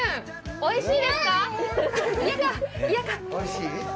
おいしい？